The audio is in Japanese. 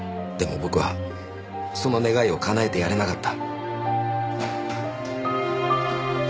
でも僕はその願いを叶えてやれなかった。